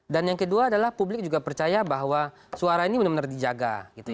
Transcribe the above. dan yang kedua adalah publik juga percaya bahwa suara ini benar benar dijaga